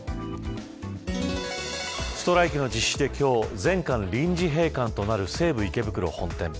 ストライキの実施で今日、全館臨時閉館となる西武池袋本店。